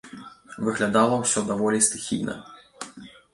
Выглядала ўсё даволі стыхійна.